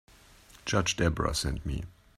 Judge Debra sent me.